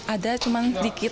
ada cuma sedikit